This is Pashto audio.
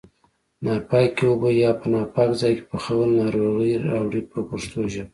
ناپاکې اوبه یا په ناپاک ځای کې پخول ناروغۍ راوړي په پښتو ژبه.